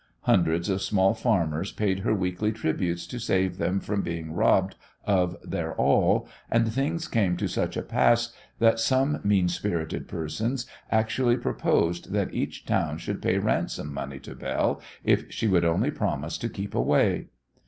Hundreds of small farmers paid her weekly tributes to save them from being robbed of their all, and things came to such a pass that some mean spirited persons actually proposed that each town should pay ransom money to Belle if she would only promise to keep away!